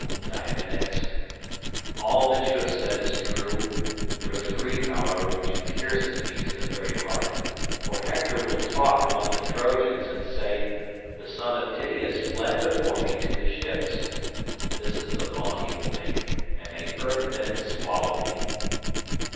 Diomed answered, "All that you have said is true; there is a grief however which pierces me to the very heart, for Hector will talk among the Trojans and say, 'The son of Tydeus fled before me to the ships.' This is the vaunt he will make, and may earth then swallow me."